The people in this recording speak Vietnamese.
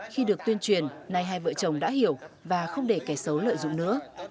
khi được tuyên truyền nay hai vợ chồng đã hiểu và không để kẻ xấu lợi dụng nữa